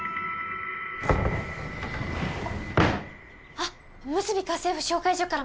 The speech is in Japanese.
あっむすび家政婦紹介所から参りまし。